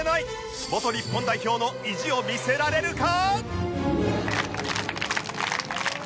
元日本代表の意地を見せられるか？